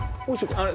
あれ？